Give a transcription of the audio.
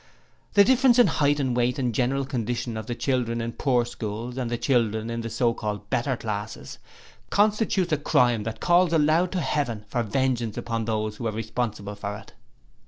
The difference in height and weight and general condition of the children in poor schools and the children of the so called better classes, constitutes a crime that calls aloud to Heaven for vengeance upon those who are responsible for it.